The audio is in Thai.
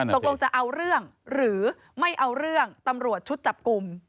ตกลงจะเอาเรื่องหรือไม่เอาเรื่องตำรวจชุดจับกลุ่ม